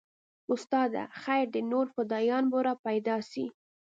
استاده خير دى نور فدايان به راپيدا سي.